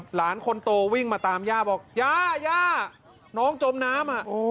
หลานคนโตวิ่งมาตามย่าบอกย่าย่าน้องจมน้ำ